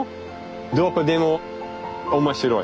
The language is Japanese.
どこでも面白い。